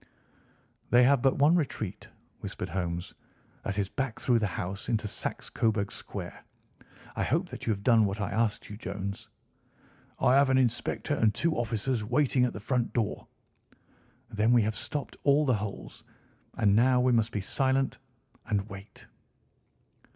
"They have but one retreat," whispered Holmes. "That is back through the house into Saxe Coburg Square. I hope that you have done what I asked you, Jones?" "I have an inspector and two officers waiting at the front door." "Then we have stopped all the holes. And now we must be silent and wait."